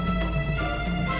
kalian mau kemana